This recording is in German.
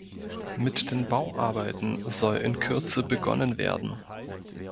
Mit den Bauarbeiten soll in Kürze begonnen werden.